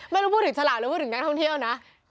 ไม่รู้พูดถึงฉลากหรือพูดถึงนักท่องเที่ยวนะ